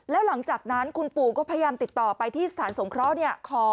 แล้วหลังจากนั้นคุณปู่ก็พยายามติดต่อไปที่สถานสงเคราะห์